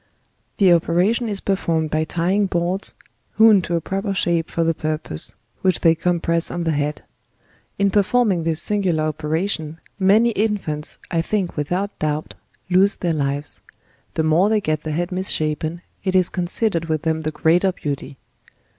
The operation is perform ed by tying boards, hewn to a proper shape for the purpose, which they cornpres on the head. In performing this singu lar operation., many infants, I think without doubt, lose their lives. The more they get the head misshapen, it is consid ered with them the greater beauty.